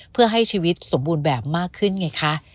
เพื่อให้ชีวิตสมบูรณ์แบบมากขึ้นไงคะ